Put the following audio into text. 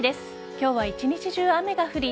今日は一日中雨が降り